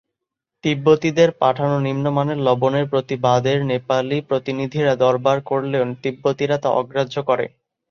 তিব্বতীদের পাঠানো নিম্নমানের লবণের প্রতিবাদের নেপালী প্রতিনিধিরা দরবার করলেও তিব্বতীরা তা অগ্রাহ্য করে।